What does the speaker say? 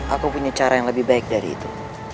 aku punya cara yang lebih baik dari itu